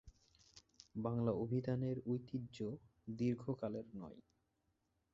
বাংলা অভিধানের ঐতিহ্য দীর্ঘকালের নয়।